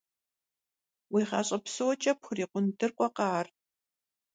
Уи гъащӀэ псокӀэ пхурикъун дыргъуэкъэ ар?!